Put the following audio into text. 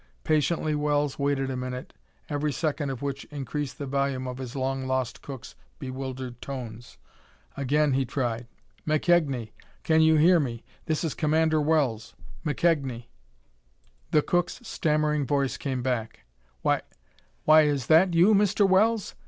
Patiently Wells waited a minute, every second of which increased the volume of his long lost cook's bewildered tones. Again he tried. "McKegnie! Can you hear me? This is Commander Wells. McKegnie!" The cook's stammering voice came back: "Why why is that you, Mr. Wells?